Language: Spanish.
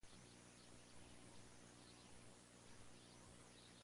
La cual has aparejado en presencia de todos los pueblos;